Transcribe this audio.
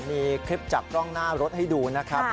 มีคลิปจากกล้องหน้ารถให้ดูนะครับ